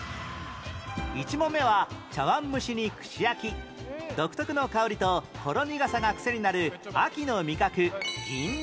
１問目は茶碗蒸しに串焼き独特の香りとほろ苦さがクセになる秋の味覚銀杏